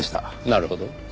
なるほど。